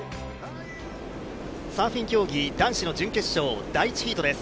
サーフィン競技男子の準決勝第１ヒートです。